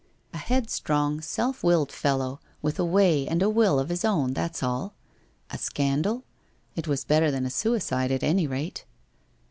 ... A headstrong, self willed fellow with a way and a will of his own, that's all. ... A scandal ? It was better than a suicide, at any rate.